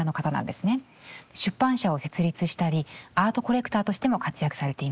出版社を設立したりアートコレクターとしても活躍されています。